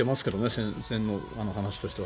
戦前の話としては。